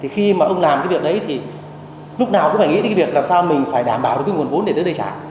khi mà ông làm việc đấy lúc nào cũng phải nghĩ về việc làm sao mình phải đảm bảo nguồn vốn để tới đây trả